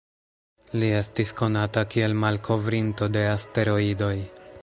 Li estis konata kiel malkovrinto de asteroidoj.